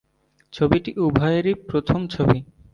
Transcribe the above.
ছবিটি উভয়েরই প্রথম ছবি।